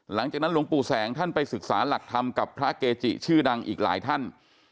หลวงปู่แสงท่านไปศึกษาหลักธรรมกับพระเกจิชื่อดังอีกหลายท่าน